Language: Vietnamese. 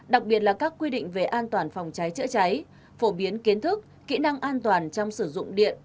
đặc biệt là các quy định về an toàn phòng cháy chữa cháy phổ biến kiến thức kỹ năng an toàn trong sử dụng điện